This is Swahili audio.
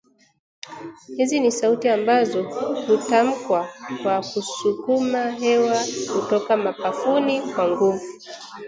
Hizi ni sauti ambazo hutamkwa kwa kusukuma hewa kutoka mapafuni kwa nguvu